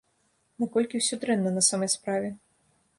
Наколькі ўсё дрэнна, на самай справе?